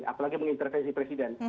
apalagi mengintervensi presiden